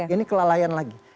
ini kelalaian lagi